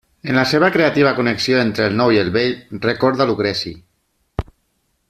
En la seva creativa connexió entre el nou i el vell, recorda Lucreci.